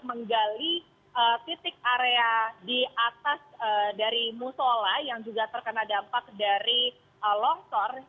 menggali titik area di atas dari musola yang juga terkena dampak dari longsor